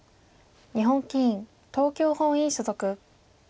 日本棋院東京本院所属。